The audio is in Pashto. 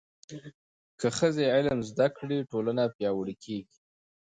که ښځې علم زده کړي، ټولنه پیاوړې کېږي.